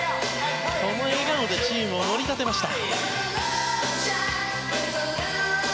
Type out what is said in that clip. この笑顔でチームを盛り立てました。